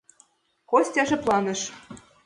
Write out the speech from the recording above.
Костя шыпланыш.